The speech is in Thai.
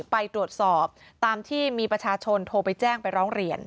ไปตรวจสอบตามที่มีประชาชนโทรไปแจ้งไปร้องเรียน